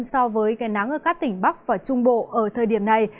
so với cây nắng ở các tỉnh bắc và trung bộ ở thời điểm này